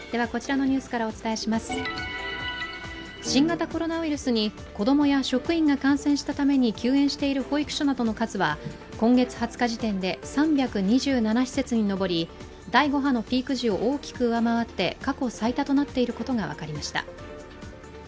新型コロナウイルスに子供や職員が感染したために休園している保育所などの数は今月２０日時点で３２７施設に上り、第５波のピーク時を大きく上回って過去最多となっていることが分かりました。